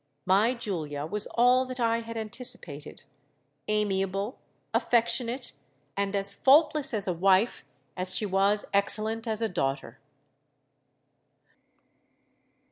My Julia was all that I had anticipated—amiable, affectionate, and as faultless as a wife as she was excellent as a daughter.